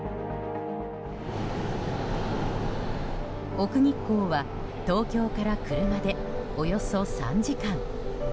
奥日光は東京から車でおよそ３時間。